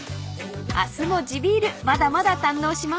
［明日も地ビールまだまだ堪能します］